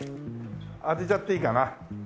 当てちゃっていいかな。